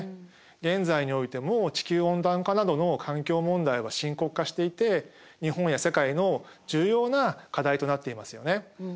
現在においても地球温暖化などの環境問題は深刻化していて日本や世界の重要な課題となっていますよね。